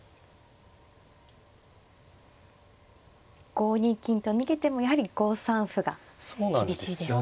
５二金と逃げてもやはり５三歩が厳しいですか。